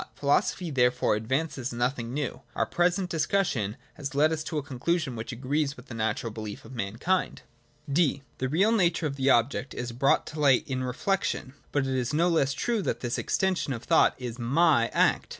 Philosophy therefore advances nothing new; and our present discussion has led us to a conclusion which agrees with the natural belief of mankind. 23.] {d) The real nature of the object is brought to light in reflection ; but it is no less true that this exer tion of thought is my act.